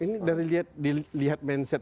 ini dari lihat mindset